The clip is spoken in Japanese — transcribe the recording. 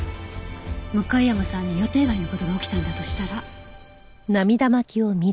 向山さんに予定外の事が起きたんだとしたら。